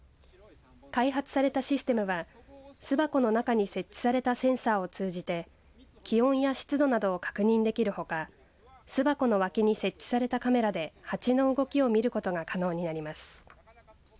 開発されたシステムは巣箱の中に設置されたセンサーを通じて気温や湿度などを確認できるほか巣箱の脇に設置されたカメラで蜂の動きを見ることが可能になります。